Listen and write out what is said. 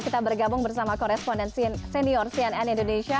kita bergabung bersama korespondensi senior cnn indonesia